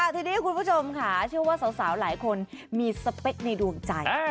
ทีนี้คุณผู้ชมค่ะเชื่อว่าสาวหลายคนมีสเปคในดวงใจ